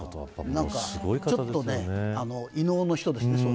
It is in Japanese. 何かちょっとね異能の人ですね。